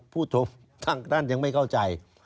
พูดโทรฟท่านยังไม่เข้าใจ